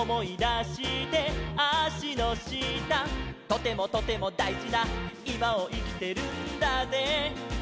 「とてもとてもだいじないまをいきてるんだぜ」